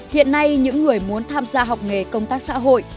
hiện nay những người muốn tham gia học nghề công tác xã hội